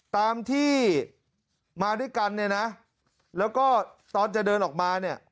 ตามที่มาด้วยกันเนี่ยนะแล้วก็ตอนจะเดินออกมาเนี่ย